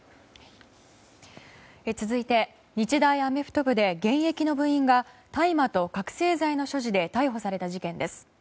続いて、日大アメフト部で現役の部員が大麻と覚醒剤の所持で逮捕された事件です。